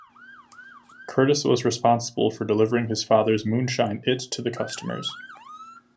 Curtis was responsible for delivering his father's moonshine it to the customers.